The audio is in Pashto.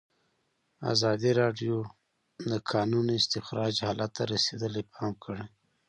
ازادي راډیو د د کانونو استخراج حالت ته رسېدلي پام کړی.